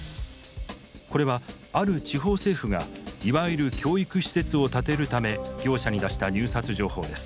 これはある地方政府がいわゆる「教育施設」を建てるため業者に出した入札情報です。